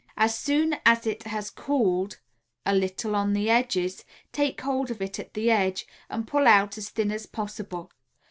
As soon as it has cooled a little on the edges, take hold of it at the edge and pull out as thin as possible.